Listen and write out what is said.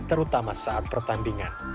terutama saat pertandingan